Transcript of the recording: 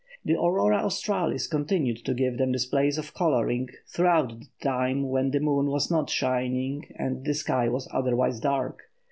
The Aurora Australis continued to give them displays of colouring throughout the time when the moon was not shining and the sky was otherwise dark.